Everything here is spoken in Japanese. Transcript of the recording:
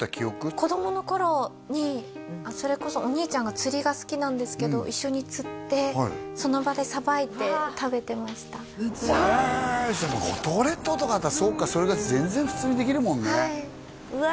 子供の頃にそれこそお兄ちゃんが釣りが好きなんですけど一緒に釣ってその場でさばいて食べてましたへえ五島列島とかだったらそうか全然普通にできるもんねうわ